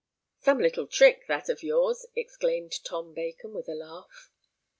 "Some little trick that of yours!" exclaimed Tom Bacon, with a laugh.